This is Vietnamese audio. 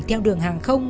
theo đường hàng không